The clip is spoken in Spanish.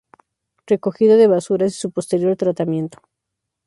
Recogida de basuras y su posterior tratamiento.